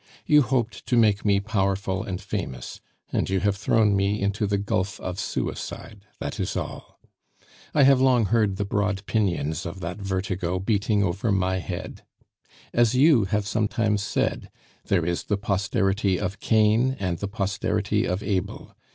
You hoped to make me powerful and famous, and you have thrown me into the gulf of suicide, that is all. I have long heard the broad pinions of that vertigo beating over my head. "As you have sometimes said, there is the posterity of Cain and the posterity of Abel.